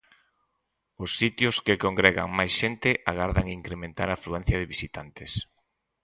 Os sitios que congregan máis xente agardan incrementar a afluencia de visitantes.